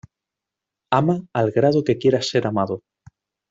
Ama al grado que quieras ser amado.